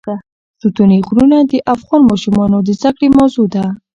ستوني غرونه د افغان ماشومانو د زده کړې موضوع ده.